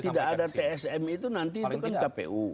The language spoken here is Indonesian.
tidak ada tsm itu nanti itu kan kpu